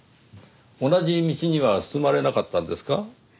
同じ道には進まれなかったんですか？